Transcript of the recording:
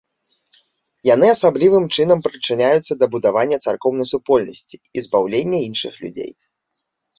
Яны асаблівым чынам прычыняюцца да будавання царкоўнай супольнасці і збаўлення іншых людзей.